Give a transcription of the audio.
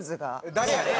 誰やねん！